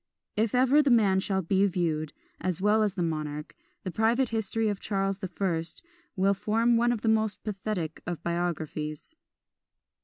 If ever the man shall be viewed, as well as the monarch, the private history of Charles the First will form one of the most pathetic of biographies.